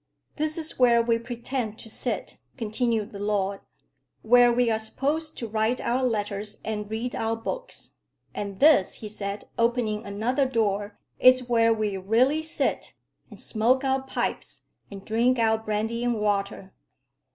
"This is where we pretend to sit," continued the lord; "where we are supposed to write our letters and read our books. And this," he said, opening another door, "is where we really sit, and smoke our pipes, and drink our brandy and water.